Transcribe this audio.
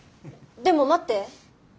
でも待って。